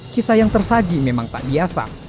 kisah yang tersaji memang tak biasa